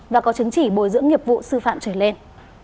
và có chứng chỉ bồi dưỡng nghiệp vụ sư phạm trở lên